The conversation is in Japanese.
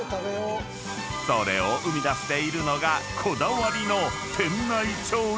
［それを生み出しているのがこだわりの］